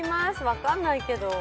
分かんないけど。